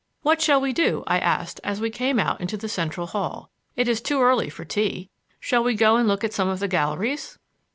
"What shall we do?" I asked, as we came out into the central hall. "It is too early for tea. Shall we go and look at some of the galleries?"